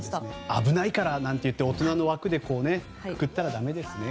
危ないからなんて大人の枠でくくったらだめですね。